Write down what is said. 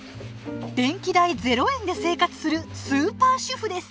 電気代０円で生活するスーパー主婦です。